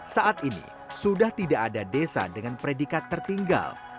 saat ini sudah tidak ada desa dengan predikat tertinggal